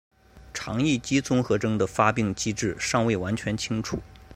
肠易激综合征的发病机制尚未完全清楚。